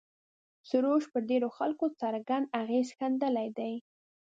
سروش پر ډېرو خلکو څرګند اغېز ښندلی دی.